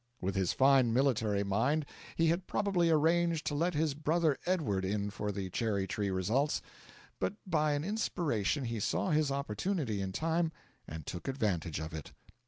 With his fine military mind, he had probably arranged to let his brother Edward in for the cherry tree results, but by an inspiration he saw his opportunity in time and took advantage of it.